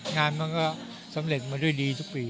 งานมันก็สำเร็จมาด้วยดีทุกปี